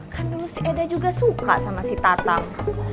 kan dulu si eda juga suka sama si tatang